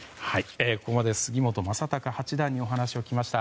ここまで杉本昌隆八段にお話を聞きました。